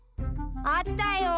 あったよ。